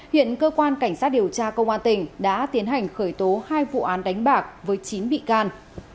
hiện cơ quan cảnh sát điều tra công an tỉnh đã tiến hành khởi tố hai vụ án đánh bạc với chín bị can